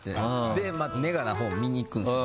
で、ネガなほう見に行くんですよ。